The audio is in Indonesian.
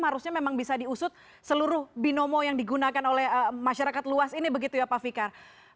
harusnya memang bisa diusut seluruh binomo yang digunakan oleh masyarakat luas ini begitu ya pak fikar